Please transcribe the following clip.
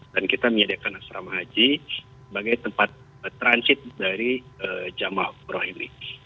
dan kita menyediakan asrama haji sebagai tempat transit dari jama' haji